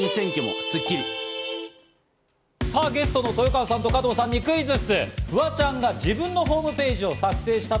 さあ、ゲストの豊川さんと加藤さんにクイズッス。